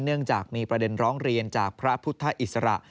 เนื่องจากมีประเด็นร้องเรียนจากพระพุทธอิสระ